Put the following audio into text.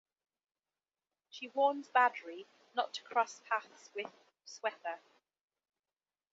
She warns Badri not to cross paths with Swetha.